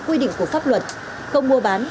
quy định của pháp luật không mua bán